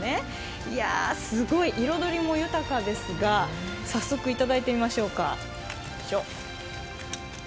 彩り豊かですが早速、いただいてみましょうか。